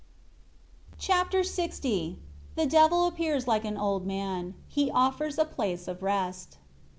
Chapter LX The Devil appears like an old man. He offers "a place of rest."